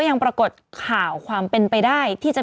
มีสารตั้งต้นเนี่ยคือยาเคเนี่ยใช่ไหมคะ